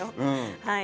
はい